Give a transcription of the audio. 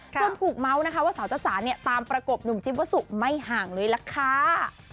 ถูกเมาส์นะคะว่าสาวจ้าจ๋าเนี่ยตามประกบหนุ่มจิ๊บวัสสุไม่ห่างเลยล่ะค่ะ